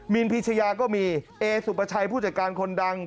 มีนพิชยาก็มีเอสุปชัยผู้จัดการคนดัง